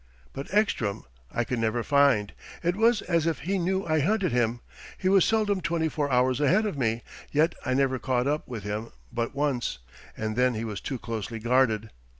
"But Ekstrom I could never find. It was as if he knew I hunted him. He was seldom twenty four hours ahead of me, yet I never caught up with him but once; and then he was too closely guarded....